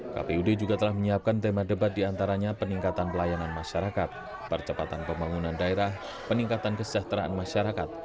kpud juga telah menyiapkan tema debat diantaranya peningkatan pelayanan masyarakat percepatan pembangunan daerah peningkatan kesejahteraan masyarakat